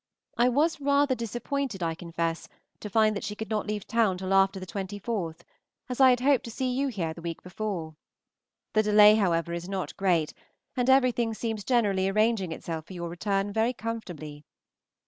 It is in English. I was rather disappointed, I confess, to find that she could not leave town till after ye 24th, as I had hoped to see you here the week before. The delay, however, is not great, and everything seems generally arranging itself for your return very comfortably.